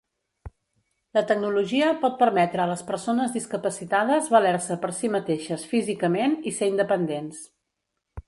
La tecnologia pot permetre a les persones discapacitades valer-se per si mateixes físicament i ser independents.